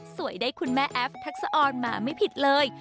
สวยได้คุณแม่แอฟทักษะออนมาไม่ผิดเลย